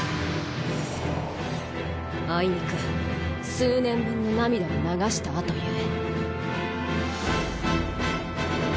あいにく数年分の涙を流した後ゆえ。